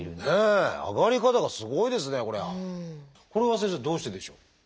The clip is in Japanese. これは先生どうしてでしょう？